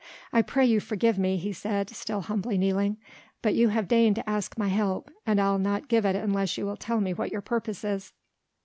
"I pray you forgive me," he said, still humbly kneeling, "but you have deigned to ask my help, and I'll not give it unless you will tell me what your purpose is."